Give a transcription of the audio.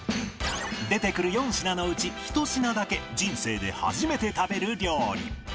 出てくる４品のうち１品だけ人生で初めて食べる料理